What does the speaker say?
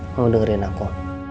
kamu dengerin aku